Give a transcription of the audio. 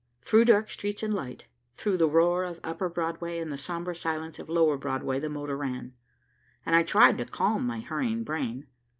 Through dark streets and light, through the roar of upper Broadway and the sombre silence of lower Broadway the motor ran, and I tried to calm my hurrying brain.